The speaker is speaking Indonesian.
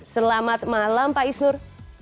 selamat malam pak isnur